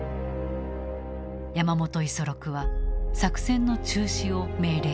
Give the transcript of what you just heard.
山本五十六は作戦の中止を命令する。